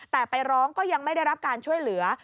แต่ไปร้องก็ยังไม่ได้รับการช่วยเหลือ